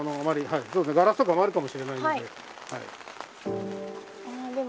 ガラスとかもあるかもしれないので。